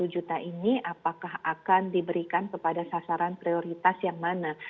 dua puluh juta ini apakah akan diberikan kepada sasaran prioritas yang mana